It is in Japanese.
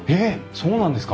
そうなんですか？